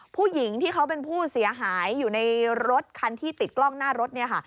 ผู้หญิงที่เขาเป็นผู้เสียหายอยู่ในรถคันที่ติดกล้องหน้ารถเนี่ยค่ะ